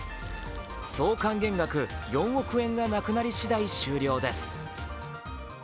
総還元額４億円がなくなりしだい終了です。